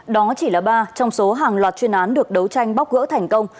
đó chỉ là ba trong số hàng loạt chuyên án được đấu tranh bóc gỡ thành công